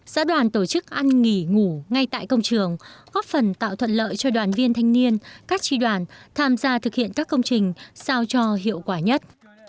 xã đoàn tổ chức ăn nghỉ ngủ ngay tại công trường góp phần tạo thuận lợi cho đoàn viên thanh niên các tri đoàn tham gia thực hiện các công trình sao cho hiệu quả nhất